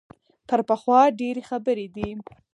تر پخوا ډېرې خبرې دي.